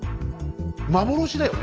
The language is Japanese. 幻だよね？